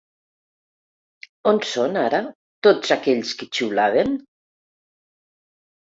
On són ara tots aquells que xiulaven?